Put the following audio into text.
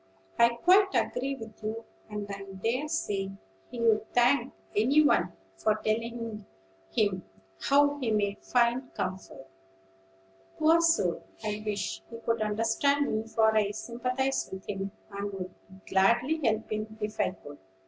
"I quite agree with you; and I dare say he'd thank any one for telling him how he may find comfort. Poor soul! I wish he could understand me; for I sympathize with him, and would gladly help him if I could."